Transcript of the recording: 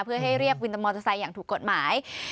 เพื่อให้เรียกวินตามมอเตอร์ไซค์อย่างถูกกฎหมาย